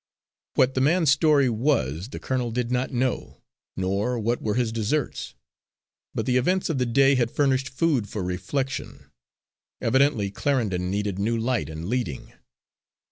What the man's story was, the colonel did not know, nor what were his deserts. But the events of the day had furnished food for reflection. Evidently Clarendon needed new light and leading.